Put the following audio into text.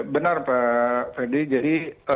benar pak fede jadi